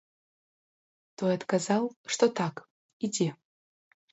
Той адказаў, што так, ідзе.